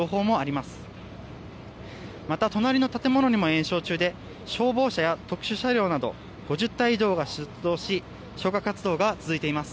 また隣の建物にも延焼中で消防車や特殊車両など５０台以上が出動し消火活動が続いています。